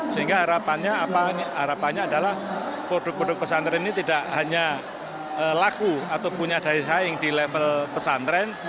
sehingga harapannya adalah produk produk pesantren ini tidak hanya laku atau punya daya saing di level pesantren